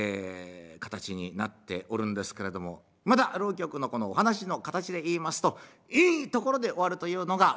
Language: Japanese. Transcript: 形になっておるんですけれどもまた浪曲のこのお話の形でいいますといいところで終わるというのがお決まりでございまして。